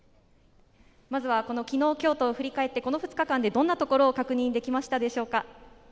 昨日、今日と振り返って、この２日間でどんなところを確認できましたでしょうか？